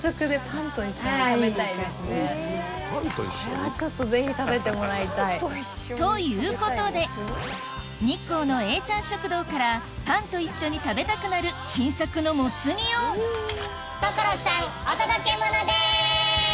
これはちょっとぜひ食べてもらいたい。ということで日光のえーちゃん食堂からパンと一緒に食べたくなる新作のもつ煮を所さんお届けモノです！